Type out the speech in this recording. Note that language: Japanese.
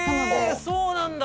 そうなんだ！